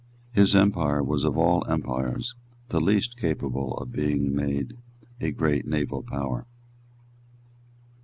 His empire was of all empires the least capable of being made a great naval power.